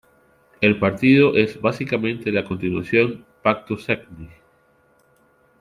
El partido es básicamente la continuación Pacto Segni.